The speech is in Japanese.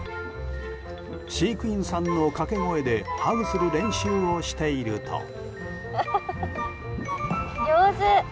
飼育員さんの掛け声でハグする練習をしていると。